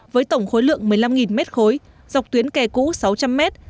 với tổng khối lượng một mươi năm mét khối dọc tuyến kè cũ sáu trăm linh mét